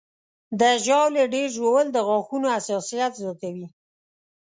د ژاولې ډېر ژوول د غاښونو حساسیت زیاتوي.